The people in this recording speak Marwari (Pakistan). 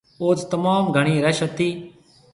اوٿ تموم گھڻِي رش هِتي۔